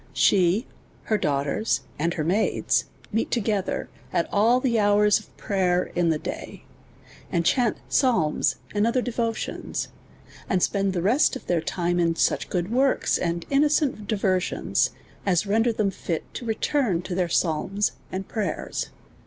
S!ie, her daughters, and her maids, meet together at all the hours of prayer in the day, and chaunt psalms and other devotions, and spend the rest of their time in such good works, and innocent diversions, as render tliem fit to return to their psalms and prayers.